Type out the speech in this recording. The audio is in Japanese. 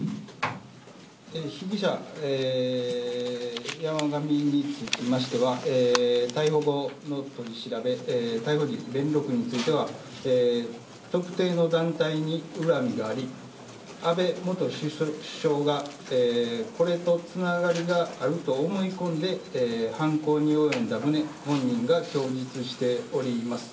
被疑者、山上につきましては逮捕後の取り調べ逮捕時、言動については特定の団体に恨みがあり安倍元首相がこれとつながりがあると思い込んで犯行におよんだ旨本人が供述しております。